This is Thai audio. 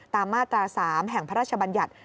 มาตรา๓แห่งพระราชบัญญัติ